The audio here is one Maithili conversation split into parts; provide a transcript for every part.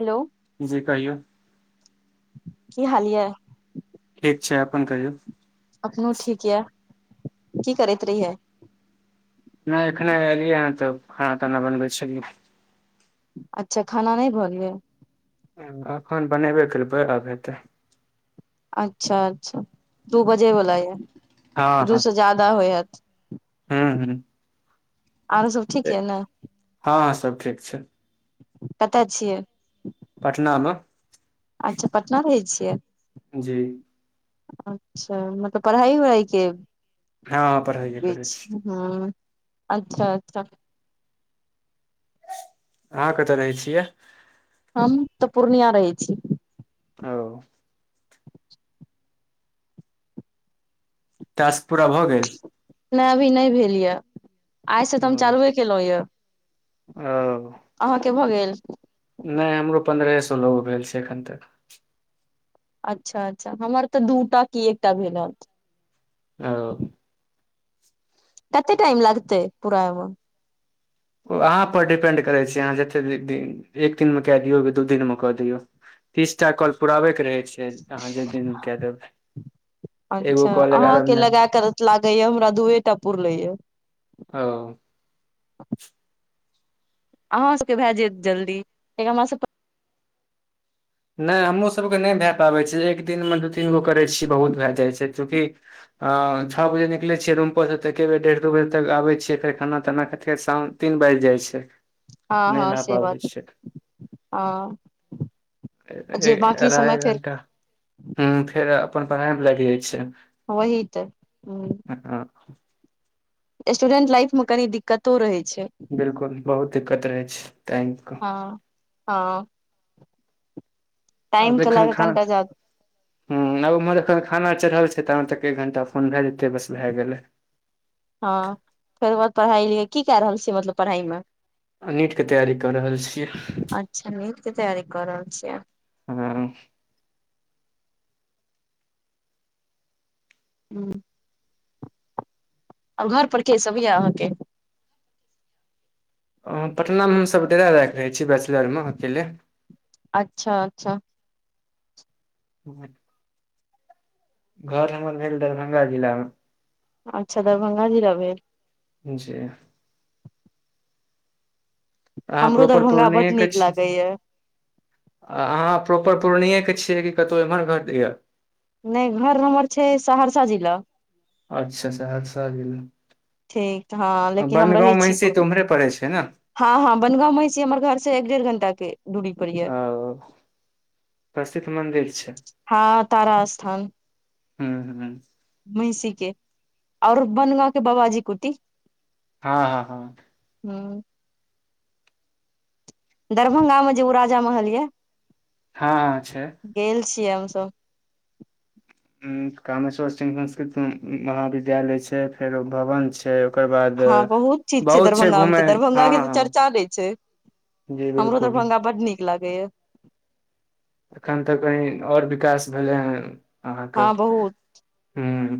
हेलो जी कहियौ की हाल यऽ ठीक छै अपन कहियौ अपनो ठीक यऽ की करैत रहियै नय एखन एलियै हन तऽ खाना ताना बनबै छलियै अच्छा खाना नै बनलै नय एखन बनेबे करबै आब हेतै अच्छा अच्छा दू बजेवला यऽ हँ दू से जादा होय हायत हँ हू आरो सब ठीक यऽ ने हँ हँ सब ठीक छै कतय छियै पटना मे अच्छा पटना रहै छियै जी अच्छा मतलब पढ़ाइ वढ़ाइ के हँ पढ़ाइए करय छी हँ अच्छा अच्छा अहाँ कतऽ रहै छियै हम तऽ पूर्णिया रहै छी ओ टास्क पूरा भऽ गेल नहि अभी नहि भेल यए आइसँ तऽ हम चालूए केलहुंयै ओ अहाँके भऽ गेल नहि हमरो पन्द्रहे सोलह गो भेल छै एखन तक अच्छा अच्छा हमर तऽ दूटा की एकटा भेल हैत ओ कते टाइम लागतै पूरा होयमे ओ अहाँपर डिपेंड करै छै अहाँ जते दिन एक दिन में कए दियौ की दू दिन मे कऽ दियौ तीसटा कॉल पुराबे के रहै छै से अहाँ जते दिन कए देबै एगो कॉल एगारह मिनट लागैये हमरा दुए टा पुरलैए ओ अहाँ सबके भए जायत जल्दी कियाकि हमर सभके नहि हमरो सभके नहि भए पाबै छै एक दिनमे दू तीन गो करै छीयै बहुत भए जाए छै चूँकि छह बजे निकलै छियै रूम परसँ तऽ एके बेर डेढ़ दू बजे तक आबै छियै फेर खाना ताना खाइत खाइत फेर शाम तीन बाइज जाइ छै हँ नहि हँ भए से पाबै बात छै हँ ए-ए जे बाकी समय अढ़ाय फेर घंटा हुं फेर अपन पढ़ाय मे लाग जाय छै। वही तऽ हुं। हां। स्टूडेंट लाइफ मे कनी दिक्कतो रहै छै। बिल्कुल बहुत दिक्कत रहै छै टाइम के। हां, हां। आब के लऽ एखन कऽ खा कनिटा जाद हुं आब उम्हर एखन खाना चढ़ल छै, तहन तक एक घंटा फोन भाए जेतै, बस भाए गेलै। हां फेर ओय के बाद पढ़ाई लिख की काए रहल छीयै मतलब पढ़ाई मे। आ नीट के तैयारी कऽ रहल छियै। अच्छा नीट के तैयारी क रहल छियै। हां। हुं। आब घर पर के सब यऽ अहाँके। अ पटना मे हम सब डेरा ला के रहै छी बैचलर मे अकेले। अच्छा-अच्छा। घर हमर भेल दरभंगा जिला मे। अच्छा दरभंगा जिला भेल। जी। अहाँ हमरो प्रोपर दरभंगा बड पूर्णिये के नीक छी। लागैया आ अहाँ प्रॉपर पूर्णिये के छियै कि कतौ इम्हर घर या। नै घर हमर छै सहरसा जिला। अच्छा सहरसा जिला। ठीक हँ अ लेकिन बनगाँव, महिषी तऽ उम्हरे पड़े छै नै। हां-हां बनगाँव, मैहषी हमर घर से एक डेढ़ घंटा के दूरी। पर ये औ प्रसिद्ध मन्दिर छै। हां तारा स्थान। हूँ हूँ मैहिषी के और बनगाँव के बबाजी कुटी। हां-हां-हां। हुं। दरभंगा मे जे उ राजा महल यऽ। हां छै। गेल छियै हम सब। उम्म कामेश्वर सिंह संस्कृत महाविद्यालय छै, फेरो भवन छै। ओकर बाद हां बहुत चीज छै, बहुत दरभंगा घूमे मे तऽ दरभंगा हँ के तऽ हँ चर्चा नै छै। जी हमरो बिलकुल दरभंगा बड नीक लागैया। एखन ते कहीं और विकास भेलै हन अहाँ के हँ बहुत हुं।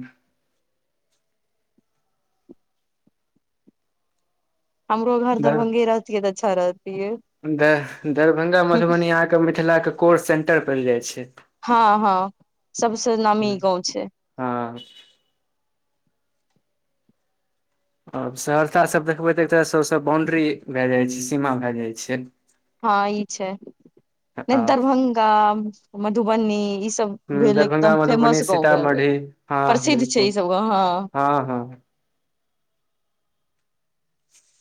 हमरो घर दर दरभंगे रहतिये तऽ अच्छा रहतिये। द दरभंगा, मधुबनी अहाँ के मिथला के कोर सेंटर पैड़ जाय छै। हां-हां सबसे नामी गाँव छै। हां। अब सहरसा सब देखबै तऽ एक तरह से उ सब बाउंड्री भाए जाय छै, सीमा भाए जाय छै। हां ई छै नै हँ दरभंगा, मधुबनी ई सब भेल दरभंगा एकदम मधुबनी फेमस गाँव भेलै, सीतामढ़ी प्रसिद्ध छै ई सब गांव हां। हां-हां।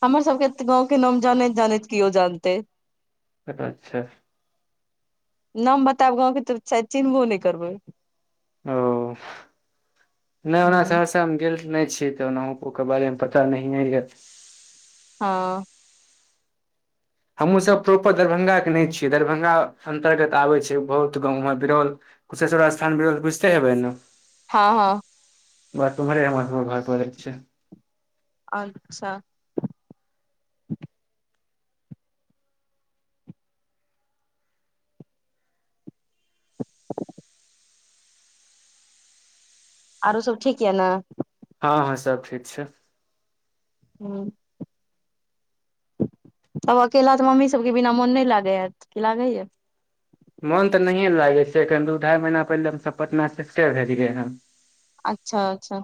हमर सबके गाँंव के नाम जानैत- जानैत केओ जानते। एतऽ छैत। नाम बताब गाँंवके तऽ शायद चिन्हबो नै करबै। ओफ नै ओना [inaudible] हूँ तऽ हम गेल नै छी, तऽ ओना ककरो बारे में पता नहियऽ। हँ। हमूँ सब प्रॉपर दरभंगा के नै छियै, दरभंगा अंतर्गत आबे छै बहुत गाँव ओमहर बिरौल। कुशेश्वर स्थान बिरोल बुझते हेबै ने। हँ- हँ। बट ओम्हरे हमर घर पड़ै छै। अच्छा। आरो सब ठीक यऽ ने। हँ- हँ सब ठीक छै। हूं। तब अकेला तऽ मम्मी सबके बिना मोन नहि लागैत हैं, लागैया? मोन तऽ नहिए लागै छै, एखन दू ढाई महीना पहिले हमसब पटना शिफ्टे भेलयै हेँ। अच्छा -अच्छा।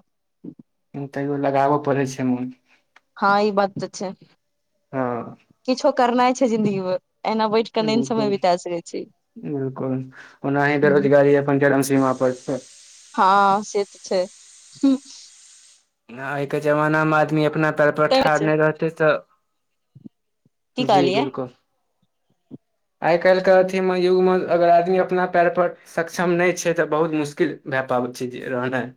तैयो लगाबऽ पड़े छै मोन। हँ ई बात तऽ छै, हँ किछो करनाइ छै जिन्दगी में, एना बैठ केना समय बिता सकै छै। बिल्कुल, ओना ही हूँ बेरोजगारी अपन चरम सीमा पर छै। हँ से तऽ छै। नै आइके जमाना मे आदमी अपना पैर पर ठाढ़ नै रहतै तऽ, की जी कहलियै बिल्कुल। आइ काल्हि के अथी मे युग मे, अगर आदमी अपना पैर पर सक्षम नहि छै, तऽ बहुत मुश्किल भए पाबै छै रहनाइ।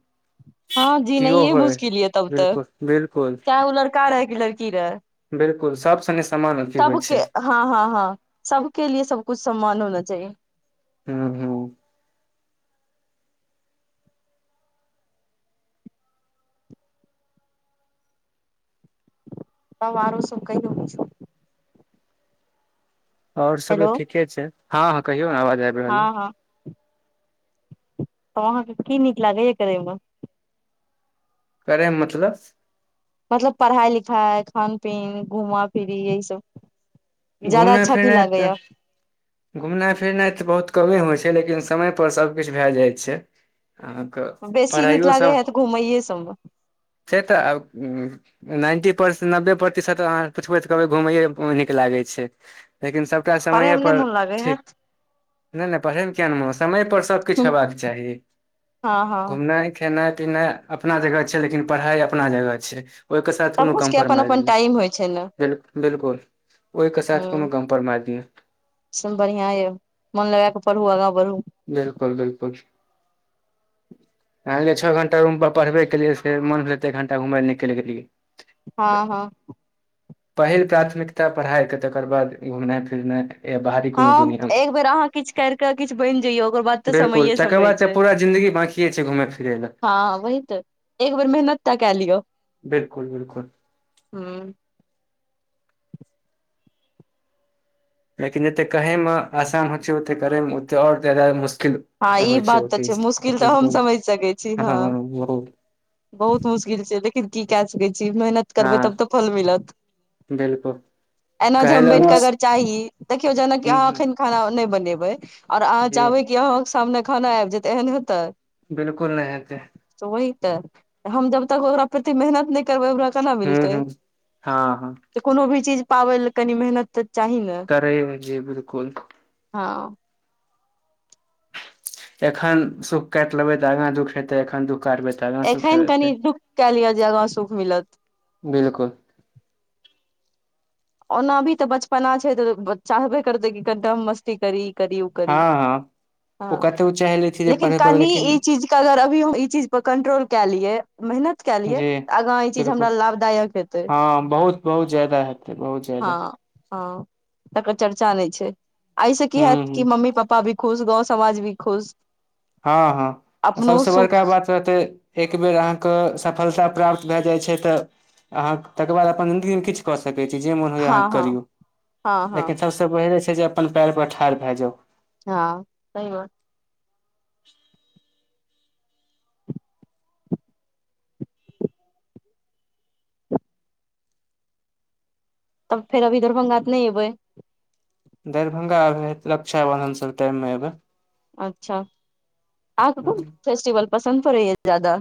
हँ किओ जीनैयऽ होय मुश्किल यऽ तब तऽ, बिलकुल बिलकुल चाहे ओ लड़का रहै कि लड़की रहै। बिल्कुल सब सने सामान अथी होइ। के छै हँ- हँ -हँ सब के लि सबकुछ समान होना चाहिये। हू -हूं। तब आरो सब कहियौ। और सब त हेलो ठीके छै, हँ- हॅं कहियो ने आवाज आयब हँ- हँ। तब अहाँके की नीक लागैयऽ करै में। करे मतलब मतलब पढ़ाइ- लिखाइ, खान -पीन, घुमा- फिरी यही सब। ज्यादा घुमनाइ अच्छा कि फिरनाइ लागैया। तऽ घुमनाइ -फिरनाइ तऽ बहुत कमे होइ छै। लेकिन समय पर सभकिछु भए जाइत छै, हां। बेसी नीक लागे हैत घुमैये सब में। से तऽ आब नाइन्टी परसेट- नब्बे प्रतिशत अहाँ पुछबै तऽ कहबै घुमैए नीक लागै छै, लेकिन सभ टा पढ़े समाये मे नहि पर मोन लागे है ठीक, नै- नै पढ़ैमे किए नै मो- समयपर सभकिछ हयबाक चाही। हँ- हँ। घुमनाइ खेनाइ- पिनाइ अपना जगह छै, लेकिन पढ़ाइ अपना जगह छै। ओहिके साथ सब कोनो कुछ के अपन कम्परमाइज अपन नहि। टाइम होइ छै ने बिल बिलकुल ओहिके साथ कोनो कम्प्रोमाइज़ नै। बढ़ियां ये, मोन लगा के पढ़ू, आगा बढ़ू। बिलकुल बिलकुल। एलियै छओ घंटा रूमपर पढ़बे केलियै, फेर मन भेलै तऽ एक घण्टा घुमय लए निकलि गेलियै। तऽ हँ हँ। पहिल प्राथमिकता पढ़ाइके तकर बाद घुमनाइ फिरनाइ। या बाहरी कोनो हं दुनियामे एक बेर अहाँ किछ कर किछ बनि जइयौ ओकर बाद तऽ बिल्कुल समैये तकर समय बाद तऽ छै, पूरा जिन्दगी बाकिए छै घुमय फिरै लए हँ वही तऽ। एक बेर मेहनत टा कय लियौ। बिल्कुल बिलकुल। हँ। लेकिन जते कहै मे आसान होइ छै ओते करै मे ओते आओर जादा मुश्किल हँ ई होइ बात ओ तऽ छै चीज मुश्किल तऽ हम बिल्कुल समैझ सकै छी, हँ बहुत मुश्किल श्किल छै लेकिन की कै सकै छी, मेहनत हँ करबै तब तऽ फल मिलत। बिल्कुल एना जे कहै हम लए बैठके अगर हुँ चाही, देखियौ जेना अहाँ हुँ अखैन खाना नहि बनेबै आओर अहाँ जी चाहबै कि अहाँ सामने खाना आबि जेयतै, एहन हेतै। बिलकुल नहि हेतै। त वही तऽ, हम जब तक ओकरा फेर मेहनत नहि करबै, ओकरा केना हुँ मिलतै। हुँ हँ हँ त कोनो भी चीज पाबय ले कनी मेहनत तऽ चाही ने। करै मे जे बिलकुल हँ। एखन सुख काटि लेबै तऽ आगा दुख हेतै एखन दुःख काटबे त एखन कनि दुःख कए लिअ जे आगा सुख मिलत। बिलकुल। ओना अभी तऽ बचपना छै तऽ चाहबे करतै कि कनिटा हम मस्ती करी। करी ओ करी, हँ हँ हँ ओ कतौ चाहि लै छै जे लेकिन पढ़ै पढ़ै कमी लेकिन ई चीज अगर अभी हम ई चीज पर कंट्रोल कए लियै, मेहनत कऽ लियै जी त आगाँ ई चीज बिल्कुल हमरा लाभदायक हेतै। हँ बहुत बहुत जादा हेतै बहुत ज्यादा हँ हँ तकर चर्चा नहि छै, एहिसँ की हूँ हयत हूँ कि मम्मी पापा भी खुश गाँव समाज भी खुश। हँ हँ अपनो सबसं सुख बड़का बात तऽ एक बेेर अहाँके सफलता प्राप्त भए जाइ छै तऽ अहाँ तकर बाद अपन जिन्दगी मे किछु क सकै छी जे मन होइये हँ अहाँ हँ करियौ हँ हँ लेकिन सबसे पहिले छै जे कहां अपन पैर पर ठाढ़ भए जाउ। हँ सही बात। तब फेर अभी दरभंगा त नहि एबै। दरभंगा अब रक्षाबन्धन सब टाइममे एबै। अच्छा, अहांके कोन फेस्टिवल पसन्द पड़ैए ज्यादा।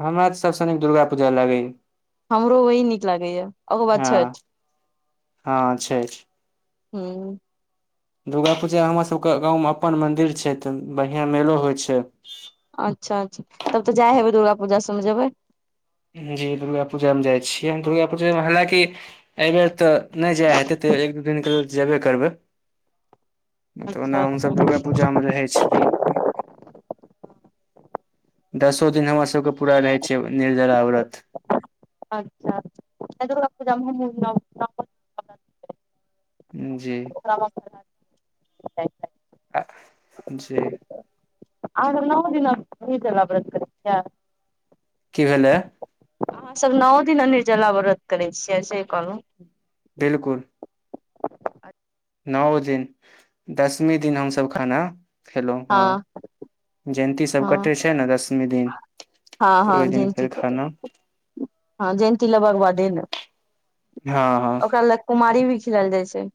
हमरा तऽ सबसे नीक दुर्गापूजा लागैये। हमरो वही नीक लागैए, ओकर बाद हँ छैठ। हँ छैठ। हुं। दुर्गा पूजा हमर सभके गाँवमे अपन मन्दिर छै तऽ बढ़िआँ मेलो होइ छै। अच्छा अच्छा, तब तऽ जाय हेबै दुर्गा पूजा सबमे जेबै। जी दुर्गा पूजामे जाइ छियै दुर्गा पूजामे हालांकि एहिबेर तऽ नहि जाय हेतै तैयो एक दू दिनके लेल जेबे करबै। तऽ अच्छा ओना अच्छा हमसभ दुर्गा पूजामे रहै छियै। दसो दिन हमरा सब के पूरा रहै छै ओनाइये र आावरत [unintelligible] अच्छा [unintelligible] जी। क [unintelligible] जी। अहां मधुबनी जिला [unintelligible] ना दिनसला बर कर की भेलै। हम सब नओ दिन निर्जला व्रत करै छियै से कहलहुँ। बिलकुल। नओ दिन, दसमी दिन हम सब खाना खैलौं हँ, जयन्ती सब हँ कटै छै ने दसमी दिन। हँ तऽ हँ ओहि दिन जयन्ती फेर खाना हँ जयन्ती लेबरबा दिन, हँ हँ ओकर बाद कुमारी भी खिलेल जाइ छै।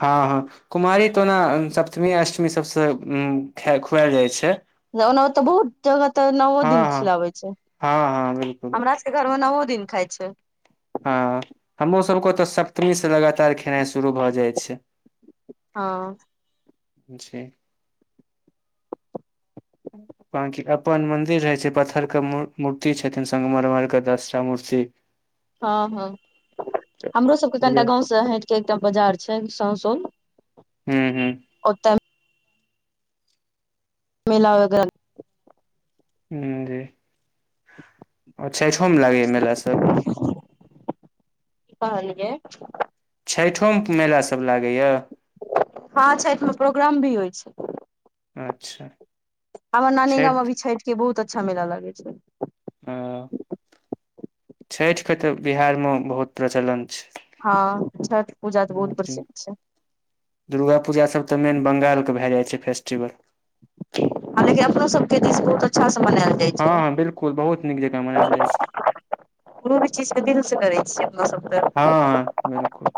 हँ हँ, कुमारी तऽ ओना सप्तमी अष्टमी सभसँ खे खुआएल जाइ छै। ओना तऽ बहुत जगह तऽ नओ हँ दिन हँ खिलाबै छै, हँ हँ बिल्कुल हमरा घरमे नओ दिन खाय छै। हँ हमरो सबके ओतऽ, सप्तमी से लगातार खेनाइ शुरू भऽ जाइत छै। हँ। जी। बाकी अपन मन्दिर रहै छै, पत्थर के मूर्ति छथिन संगमरमरके दसटा मूर्ति हँ हँ हमरो सबके कनिटा गाँवसँ हटि कऽ एकटा बाजार छै ससों हुँ हुँ ओतऽ मेल वगैरह हँ जी। आ छइठो मे लागैए मेला सब कि कहलियै छइठोमे मेला सभ लागैए? हँ छठिमे प्रोग्राम भी होइ छै। अच्छा हमर नानी गाँंव मे भी छठि के बहुत अच्छा मेला लगै छै। हं, छठिके तऽ बिहारमे बहुत प्रचलन छै। हँ छठ पूजा तऽ बहुत जी। प्रसिद्ध छै। दुर्गा पूजा सभ तऽ मेन बंगालके भए जाइ छै फेस्टिवल। हाँ लेकिन अपनो सब के दिस बहुत अच्छा से मनाएल जाइ छै। हँ बिल्कुल बहुत नीक जेका मनायल जाइ छै। कोनो भी चीजके दिलसँ करै छियै अपना सभ तऽ। हँ बिलकुल।